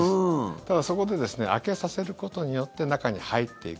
ただ、そこで開けさせることによって中に入っていく。